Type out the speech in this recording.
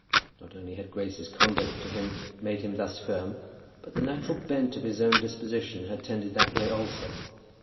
Not only had Grace's conduct to him made him thus firm, but the natural bent of his own disposition had tended that way also.